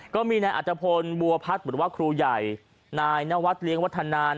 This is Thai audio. ก็มีอัตภพลบัวพัฒน์บุตรวักษ์ครูใหญ่นายนวัฒน์เลี้ยงวัฒนาน